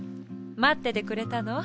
まっててくれたの？